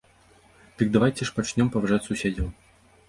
Дык давайце ж пачнём паважаць суседзяў.